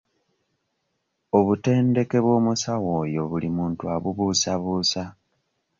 Obuntendeke bw'omusawo oyo buli muntu abubuusabuusa.